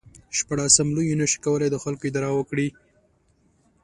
شپاړسم لویي نشو کولای د خلکو اداره وکړي.